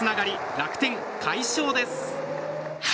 楽天、快勝です。